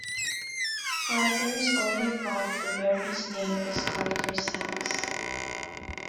Carter's only font to bear his name is Carter Sans.